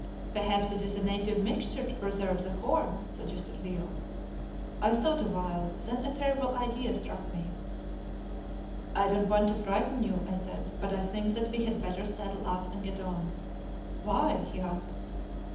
"Perhaps it is a native mixture to preserve the horn," suggested Leo. I thought awhile, then a terrible idea struck me. "I don't want to frighten you," I said, "but I think that we had better saddle up and get on." "Why?" he asked.